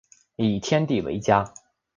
以天地为家